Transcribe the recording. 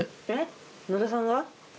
えっ野田さんが？